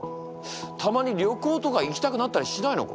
たまに旅行とか行きたくなったりしないのか？